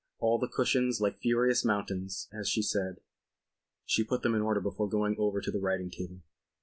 All the cushions "like furious mountains" as she said; she put them in order before going over to the writing table.